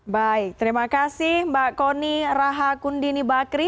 baik terima kasih mbak kony rahakundini bakri